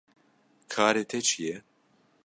Karê te çi ye?